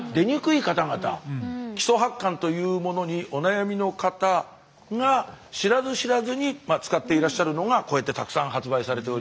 基礎発汗というものにお悩みの方が知らず知らずに使っていらっしゃるのがこうやってたくさん発売されております。